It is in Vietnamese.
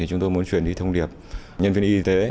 chúng tôi muốn chuyển đi thông điệp nhân viên y tế